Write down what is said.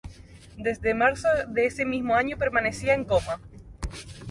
Desde marzo de ese mismo año permanecía en coma.